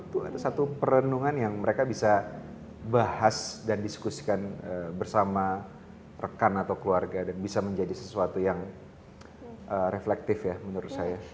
itu ada satu perenungan yang mereka bisa bahas dan diskusikan bersama rekan atau keluarga dan bisa menjadi sesuatu yang reflektif ya menurut saya